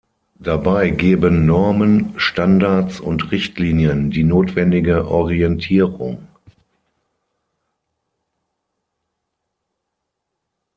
Dabei geben Normen, Standards und Richtlinien die notwendige Orientierung.